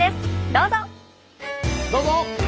どうぞ！